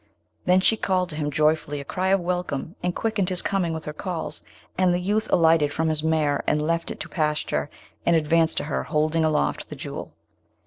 Then she called to him joyfully a cry of welcome, and quickened his coming with her calls, and the youth alighted from his mare and left it to pasture, and advanced to her, holding aloft the Jewel.